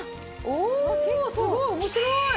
おおすごい面白い！